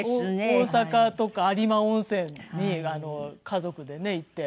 大阪とか有馬温泉に家族でね行って。